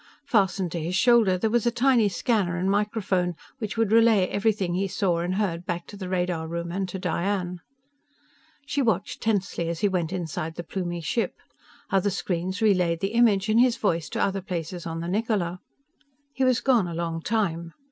Fastened to his shoulder there was a tiny scanner and microphone, which would relay everything he saw and heard back to the radar room and to Diane. She watched tensely as he went inside the Plumie ship. Other screens relayed the image and his voice to other places on the Niccola. He was gone a long time.